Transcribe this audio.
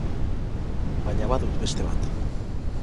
Baina badut beste bat.